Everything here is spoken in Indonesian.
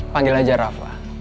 panggil aja rafa